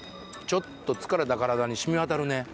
ちょっと疲れた体に染みわたるね。